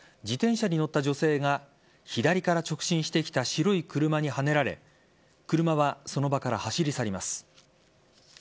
自転車に乗った女性が左から直進してきた白い車にはねられ車はその場から走り去ります。